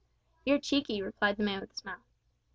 "You're cheeky," replied the man, with a smile.